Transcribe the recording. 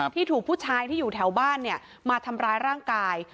ที่ถูกผู้ชายที่อยู่แถวบ้านมาทำร้ายร่างกาย